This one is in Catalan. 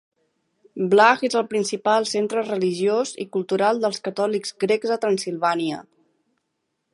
Blaj és el principal centre religiós i cultural dels catòlics grecs a Transilvània.